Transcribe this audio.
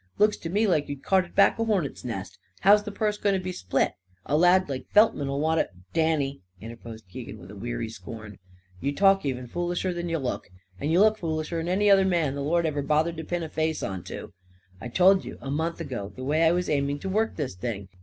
Looks to me like you'd carted back a hornets' nest. How's the purse going to be split? A lad like Feltman'll want to " "Danny," interposed Keegan with weary scorn, "you talk even foolisher'n you look. And you look foolisher'n any other man the Lord ever bothered to pin a face onto. I told you, a month ago, the way I was aiming to work this thing.